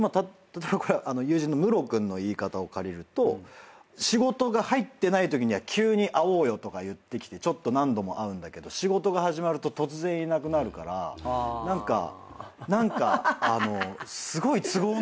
友人のムロ君の言い方を借りると仕事が入ってないときには急に会おうよとか言ってきてちょっと何度も会うんだけど仕事が始まると突然いなくなるから何かすごい。